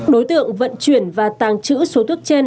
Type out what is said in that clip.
đối tượng vận chuyển và tàng trữ số thuốc trên